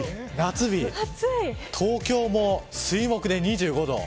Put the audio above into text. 東京も、水、木で２５度。